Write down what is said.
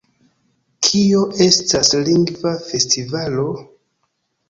Kio estas Lingva Festivalo?